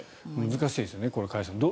難しいですよね加谷さん。